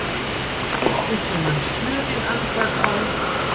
Spricht sich jemand für den Antrag aus?